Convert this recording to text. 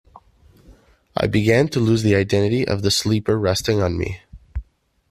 I began to lose the identity of the sleeper resting on me.